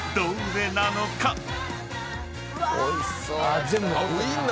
おいしそう。